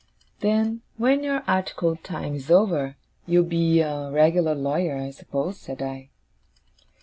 'Then, when your articled time is over, you'll be a regular lawyer, I suppose?' said I.